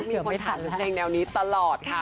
มีคนถ่านเพลงแนวนี้ตลอดค่ะ